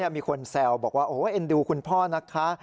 ก็มีคนแซวบอกว่าเอ็นดูคุณพ่อนะคะ